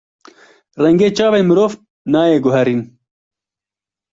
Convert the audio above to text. Rengê çavên mirov nayê guherîn.